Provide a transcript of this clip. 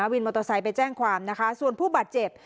วินมอเตอร์ไซค์ไปแจ้งความนะคะส่วนผู้บาดเจ็บ